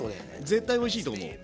絶対おいしいと思う。